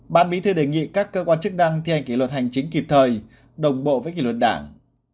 ban bí thư đề nghị các cơ quan chức năng thi hành kỷ luật hành chính kịp thời đồng bộ với kỷ luật đảng